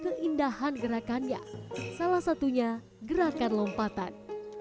keindahan gerakannya salah satunya gerakan lompatan